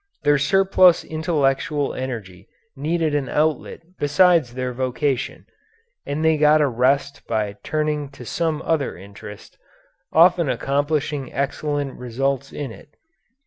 Their surplus intellectual energy needed an outlet besides their vocation, and they got a rest by turning to some other interest, often accomplishing excellent results in it.